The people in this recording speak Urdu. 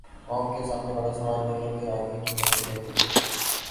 قوم کے سامنے بڑا سوال یہ ہے کہ آگے کی منزلیں ہیں۔